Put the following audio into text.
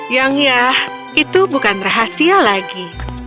yang ya itu bukan rahasia lagi